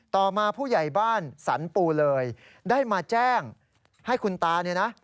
ต่อมาผู้ใหญ่บ้านสรรปูเลยได้มาแจ้งให้คุณตาเนี่ยนะ